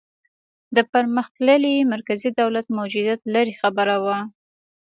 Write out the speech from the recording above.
د پرمختللي مرکزي دولت موجودیت لرې خبره وه.